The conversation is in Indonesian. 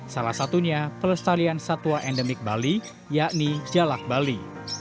salah satunya pelestarian satwa endemik bali yakni jalak bali